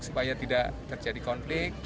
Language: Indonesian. supaya tidak terjadi konflik